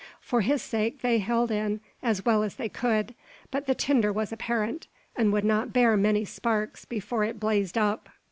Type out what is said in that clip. For his sake they held in as well as they could; but the tinder was apparent, and would not bear many sparks before it blazed up.